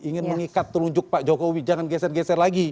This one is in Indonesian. ingin mengikat telunjuk pak jokowi jangan geser geser lagi